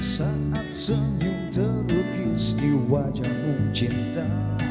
saat senyum terukis di wajahmu cinta